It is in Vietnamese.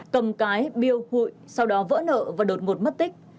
cầm cái biêu hụi sau đó vỡ nợ và đột ngột mất tích